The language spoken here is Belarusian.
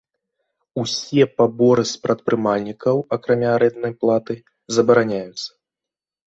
Усе паборы з прадпрымальнікаў, акрамя арэнднай платы, забараняюцца.